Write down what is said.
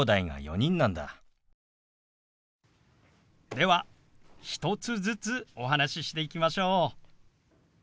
では１つずつお話ししていきましょう。